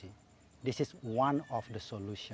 ini adalah satu satunya solusi